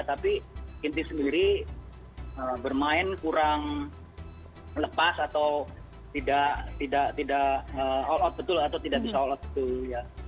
tapi kinti sendiri bermain kurang melepas atau tidak all out betul atau tidak bisa all out betul ya